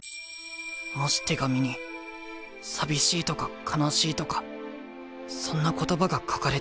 もし手紙に寂しいとか悲しいとかそんな言葉が書かれてあったら。